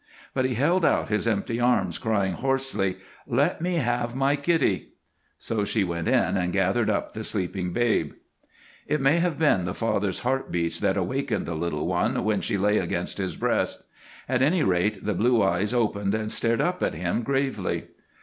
But he held out his empty arms, crying, hoarsely, "Let me have my kiddie!" So she went in and gathered up the sleeping babe. It may have been the father's heart beats that awakened the little one when she lay against his breast; at any rate the blue eyes opened and stared up at him gravely.